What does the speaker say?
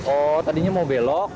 oh tadinya mau belok